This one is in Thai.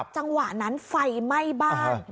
จังหวะนั้นไฟไหม้บ้าน